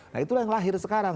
nah itulah yang lahir sekarang